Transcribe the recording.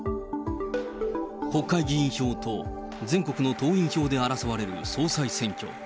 国会議員票と全国の党員票で争われる総裁選挙。